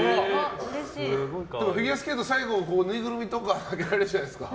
フィギュアスケートって最後ぬいぐるみとか投げられるじゃないですか。